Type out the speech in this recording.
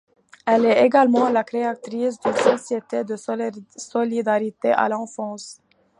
Elle est également la créatrice d'une société de solidarité à l’enfance.